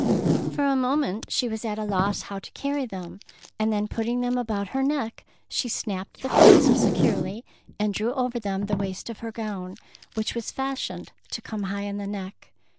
For a moment she was at a loss how 211 DEEDS OF DABING to carry them, and then putting them about her neck she snapped the clasp securely and drew over them the waist of her gown, which was fashioned to come high in the neck.